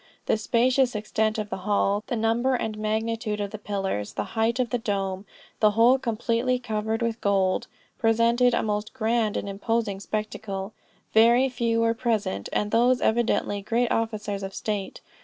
The spacious extent of the hall, the number and magnitude of the pillars, the height of the dome, the whole completely covered with gold, presented a most grand and imposing spectacle. Very few were present, and those evidently great officers of state.